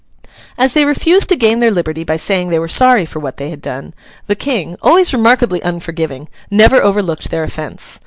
As they refused to gain their liberty by saying they were sorry for what they had done, the King, always remarkably unforgiving, never overlooked their offence.